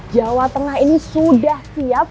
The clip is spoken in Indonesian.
jawa tengah ini sudah siap